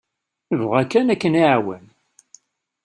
Nebɣa kan ad k-nεawen.